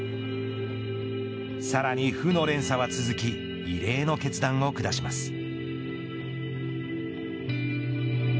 さらに負の連鎖は続き異例の決断を下します。